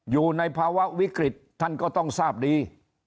อยู่ในภาวะวิกฤตท่านก็ต้องทราบดี